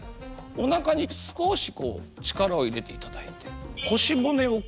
おなかに少し力を入れていただいて。